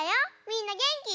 みんなげんき？